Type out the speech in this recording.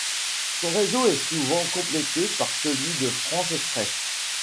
Son réseau est souvent complété par celui de France Express.